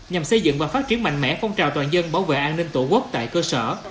nhằm xây dựng và phát triển mạnh mẽ phong trào toàn dân bảo vệ an ninh tổ quốc tại cơ sở